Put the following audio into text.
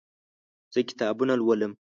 زه کتابونه لولم